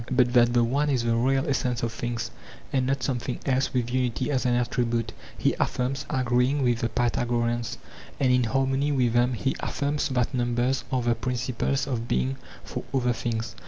But that the one is the real essence of things, and not something else with unity as an attribute, he affirms, agreeing with the Pythagoreans; and in harmony with them he affirms that numbers are the principles of being for other things.